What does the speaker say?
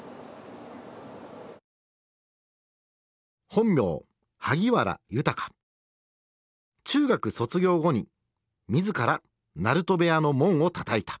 本名中学卒業後に自ら鳴戸部屋の門をたたいた。